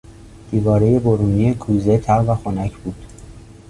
دیوارهی برونی کوزه تر و خنک بود.